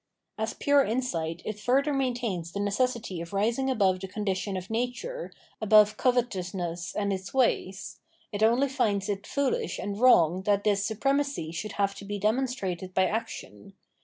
As pure insight it further maintains the necessity of rising above the condition of nature, above covetousness and its ways ; it only finds it foolish and wrong that this supremacy should have to be demonstrated by action.